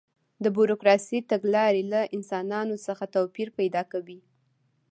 د بروکراسي تګلارې له انسانانو څخه توپیر پیدا کړ.